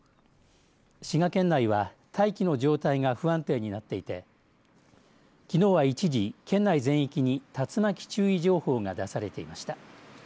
滋賀県内は大気の状態が不安定になっていてきのうは一時、県内全域に竜巻注意情報が出されていました。